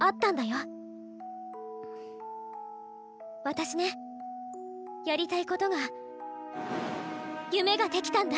私ねやりたいことが夢ができたんだ。